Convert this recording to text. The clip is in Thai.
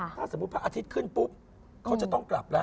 ถ้าสมมุติพระอาทิตย์ขึ้นปุ๊บเขาจะต้องกลับแล้ว